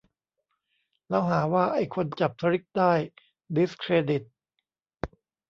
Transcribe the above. แล้วหาว่าไอ้คนจับทริกได้'ดิสเครดิต'